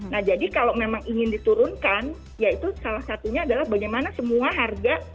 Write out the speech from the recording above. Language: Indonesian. nah jadi kalau memang ingin diturunkan ya itu salah satunya adalah bagaimana semua harga